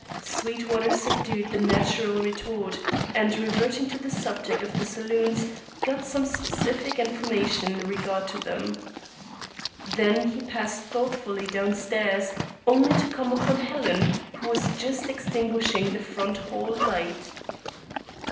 Sweetwater subdued the natural retort, and, reverting to the subject of the saloons, got some specific information in regard to them. Then he passed thoughtfully down stairs, only to come upon Helen who was just extinguishing the front hall light.